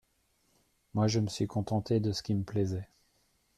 Moi, je me suis contenté de ce qui me plaisait.